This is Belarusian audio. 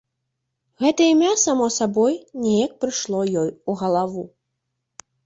Гэта імя само сабой неяк прыйшло ёй у галаву.